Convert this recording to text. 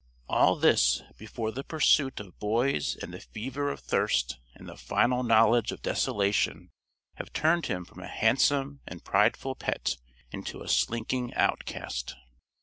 All this, before the pursuit of boys and the fever of thirst and the final knowledge of desolation have turned him from a handsome and prideful pet into a slinking outcast.